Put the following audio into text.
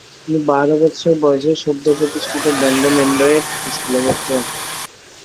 তিনি বারো বৎসর বয়সে সদ্য প্রতিষ্ঠিত ব্যান্ডন এন্ডোয়েড স্কুলে ভর্তি হন।